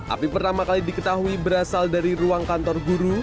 api pertama kali diketahui berasal dari ruang kantor guru